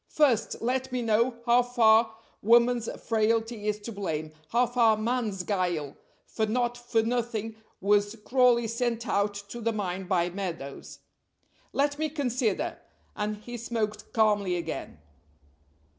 First, let me know how far woman's frailty is to blame; how far man's guile for not for nothing was Crawley sent out to the mine by Meadows. Let me consider;" and he smoked calmly again.